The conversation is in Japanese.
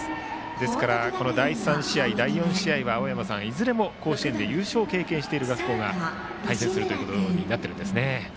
ですから第３試合、第４試合は青山さん、いずれも甲子園で優勝を経験している学校が対戦することになっているんですね。